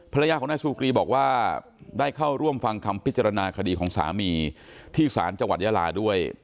ภรรยาของนายซูกรีบอกว่าได้เข้าร่วมฟังคำพิจารณาคดีของสามีที่สารจังหวัดยาลาด้วย